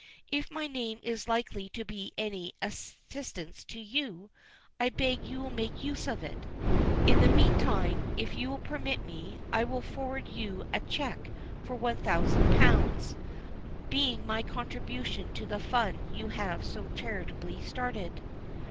"If my name is likely to be of any assistance to you, I beg you will make use of it. In the meantime, if you will permit me, I will forward you a cheque for one thousand pounds, being my contribution to the fund you have so charitably started."